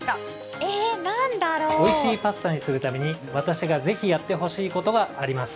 おいしいパスタにするために私がぜひやってほしいことがあります。